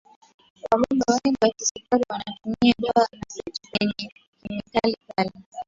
wagonjwa wengi wa kisukari wanatumia dawa na vitu vyenye kemikali kali